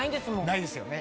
ないですよね。